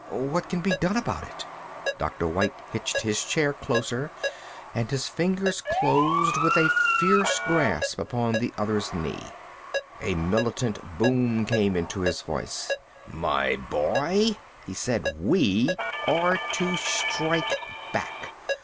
What can be done about it?" Dr. White hitched his chair closer and his fingers closed with a fierce grasp upon the other's knee. A militant boom came into his voice. "My boy," he said, "we are to strike back.